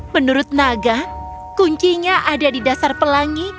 menurut naga kuncinya ada di dasar pelangi